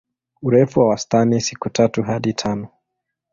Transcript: Urefu wa wastani siku tatu hadi tano.